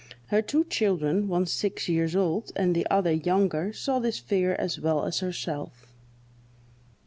Her two children, one six years old, and the other younger, saw this figure as well as herself.